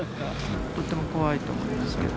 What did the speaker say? とっても怖いと思いますけど。